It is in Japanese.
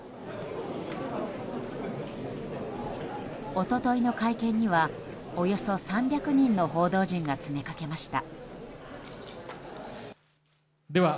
一昨日の会見にはおよそ３００人の報道陣が詰めかけました。